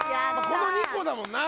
この２個だもんな